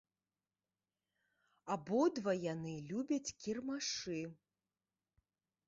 Абодва яны любяць кірмашы.